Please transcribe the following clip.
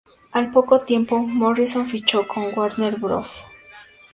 Al poco tiempo, Morrison fichó con Warner Bros.